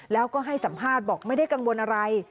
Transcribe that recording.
แล้วก็ให้สัมภาษณ์บอกไม่ได้กังวลอะไร